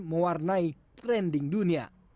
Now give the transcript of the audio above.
mewarnai trending dunia